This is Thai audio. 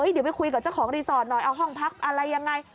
เดี๋ยวไปคุยกับเจ้าของรีสอร์ทหน่อยเอาห้องพักอะไรยังไง